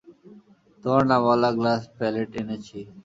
তোমার নামওয়ালা glass palette এনেছি।